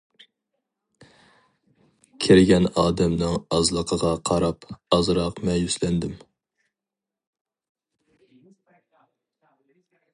كىرگەن ئادەمنىڭ ئازلىقىغا قاراپ ئازراق مەيۈسلەندىم.